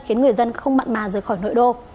khiến người dân không mặn mà rời khỏi nội đô